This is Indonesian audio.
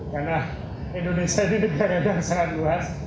karena indonesia ini negara yang sangat luas